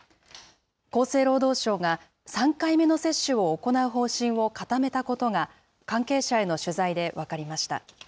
厚生労働省が、３回目の接種を行う方針を固めたことが関係者への取材で分かりました。